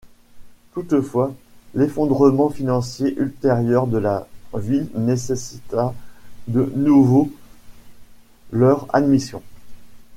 Toutefois, l'effondrement financier ultérieur de la ville nécessita de nouveau leur admission.